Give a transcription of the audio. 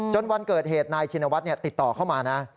วันเกิดเหตุนายชินวัฒน์ติดต่อเข้ามานะ